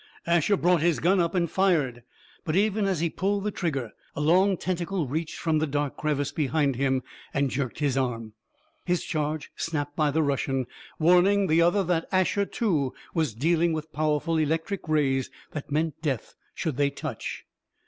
Asher brought his gun up and fired. But even as he pulled the trigger, a long tentacle reached from the dark crevice behind him and jerked his arm. His charge snapped by the Russian, warning the other that Asher, too, was dealing with powerful electric rays that meant death should they touch.